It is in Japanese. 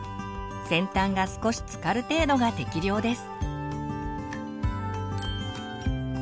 先端が少しつかる程度が適量です。